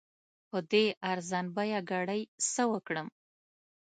په دې ارزان بیه ګړي څه وکړم؟